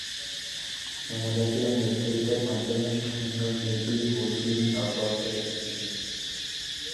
সমজাতীয় নেতৃত্বের মাধ্যমে শাসনের নীতি হো চি মিন অব্যাহত রেখেছিলেন।